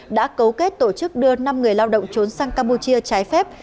đã cấu kết tổ chức đưa năm người lao động trốn sang campuchia trái phép